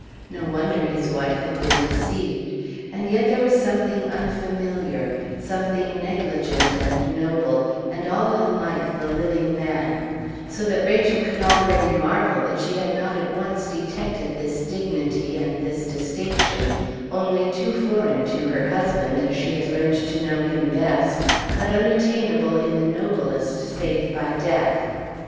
No wonder his wife had been deceived. And yet there was something unfamiliar, something negligent and noble, and all unlike the living man; so that Rachel could already marvel that she had not at once detected this dignity and this distinction, only too foreign to her husband as she had learnt to know him best, but unattainable in the noblest save by death.